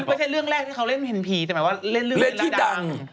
ไม่ใช่เรื่องแรกที่เขาเล่นเห็นผีแต่หมายว่าเล่นเรื่องเล่นชื่อดัง